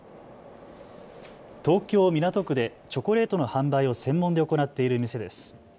東京港区でチョコレートの販売を専門で行っている店です。